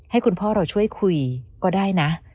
ให้คุณพ่อเราช่วยคุยก็ได้นะ